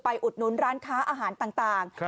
อุดนุนร้านค้าอาหารต่าง